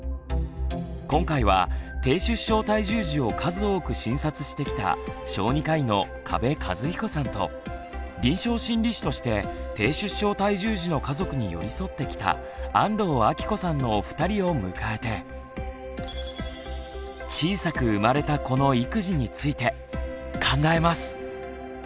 今回は低出生体重児を数多く診察してきた小児科医の加部一彦さんと臨床心理士として低出生体重児の家族に寄り添ってきた安藤朗子さんのお二人を迎えて「小さく生まれた子の育児」について考えます。